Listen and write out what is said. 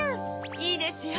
いいですよ。